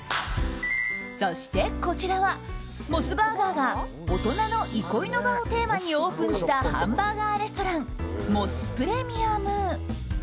そしてこちらは、モスバーガーが大人の憩いの場をテーマにオープンしたハンバーガーレストランモス・プレミアム。